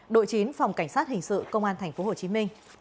đội chín phòng cảnh sát hình sự công an tp hcm